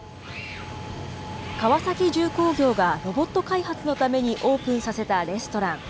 川崎重工業がロボット開発のためにオープンさせたレストラン。